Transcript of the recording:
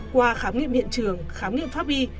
qua khám nghiệm hiện trường khám nghiệm pháp y